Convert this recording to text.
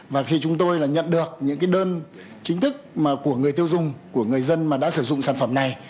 và khi chúng tôi là nhận được những cái đơn chính thức của người tiêu dùng của người dân mà đã sử dụng sản phẩm này